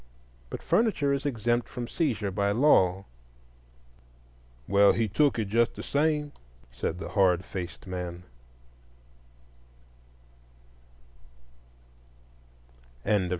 But furniture is exempt from seizure by law." "Well, he took it just the same," said the hard faced man.